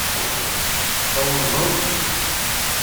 Tsawleḍ-d?